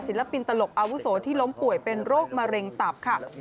ปินตลกอาวุโสที่ล้มป่วยเป็นโรคมะเร็งตับค่ะ